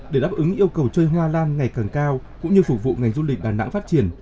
để đáp ứng yêu cầu chơi hoa lan ngày càng cao cũng như phục vụ ngành du lịch đà nẵng phát triển